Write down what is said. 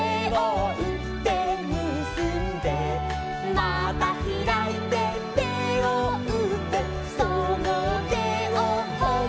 「またひらいててをうってそのてをほっぺに」